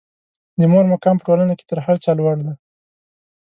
د مور مقام په ټولنه کې تر هر چا لوړ دی.